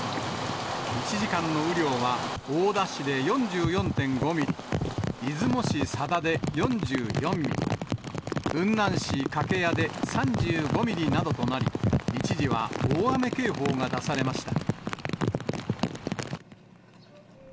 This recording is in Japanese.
１時間の雨量は、大田市で４４．５ミリ、出雲市佐田で４４ミリ、雲南市掛合で３５ミリなどとなり、一時は大雨警報が出されました。